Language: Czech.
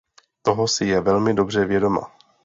Toho si je velmi dobře vědoma.